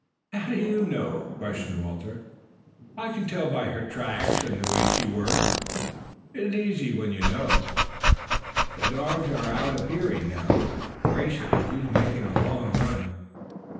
"How do you know?" questioned Walter. "I can tell by her tracks and the way she works. It is easy when you know. There, the dogs are out of hearing now. Gracious, she's making a long run.